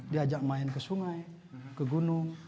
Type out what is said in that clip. diajak main ke sungai ke gunung